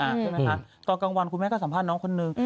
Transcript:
ใช่ไหมคะตอนกลางวันคุณแม่ก็สัมภาษณ์น้องคนนึง